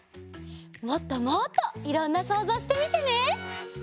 もっともっといろんなそうぞうしてみてね！